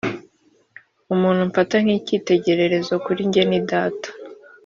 umuntu mfata nk’ikitegererezo kuri nge ni data